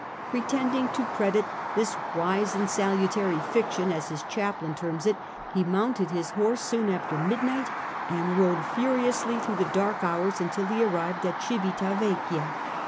Pretending to credit this " wise A NEW ENEMY 217 and salutary fiction," as his chaplain terms it, he mounted his horse soon after midnight and rode furiously through the dark hours until he arrived at Civita Vecchia.